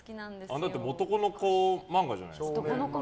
男の子漫画じゃないですか。